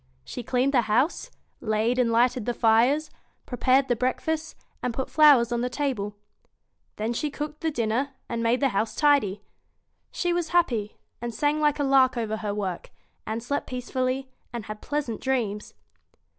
She cleaned the house, laid and lighted the fires, prepared the breakfast, and put flowers on the table. Then she cooked the dinner, and made the house tidy. She was happy, and sang like a lark over her work, and slept peacefully, and had pleasant dreams.